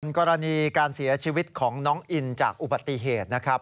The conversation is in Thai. มันกรณีการเสียชีวิตของน้องอิ๊นจากอุปติเดชน์นะครับ